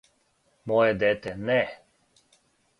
Моје дете, не!